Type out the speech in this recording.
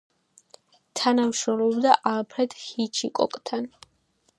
თანამშრომლობდა ალფრედ ჰიჩკოკთან.